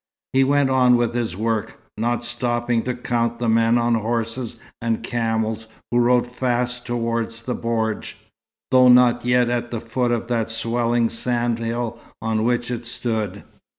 He went on with his work, not stopping to count the men on horses and camels who rode fast towards the bordj, though not yet at the foot of that swelling sand hill on which it stood.